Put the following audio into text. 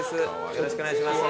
よろしくお願いします。